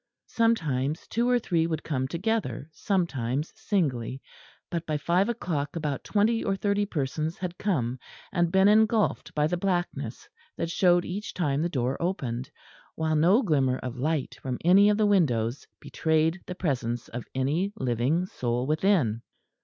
Sometimes two or three would come together, sometimes singly; but by five o'clock about twenty or thirty persons had come and been engulfed by the blackness that showed each time the door opened; while no glimmer of light from any of the windows betrayed the presence of any living soul within.